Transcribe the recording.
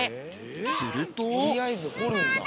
すると。